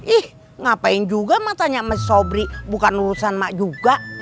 ih ngapain juga mak tanya mas sobri bukan urusan mak juga